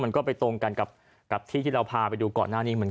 มันก็ไปตรงกันกับที่ที่เราพาไปดูก่อนหน้านี้เหมือนกัน